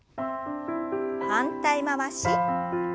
反対回し。